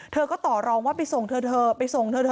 เธอก็ต่อรองว่าไปส่งเธอเถอะ